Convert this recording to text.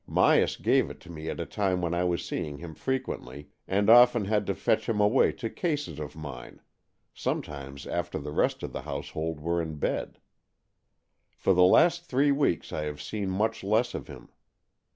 Myas gave it me at a time when I was seeing him frequently, and often had to fetch him away to cases of mine — some times after the rest of the household were in bed. For the last three weeks I have seen much less of him.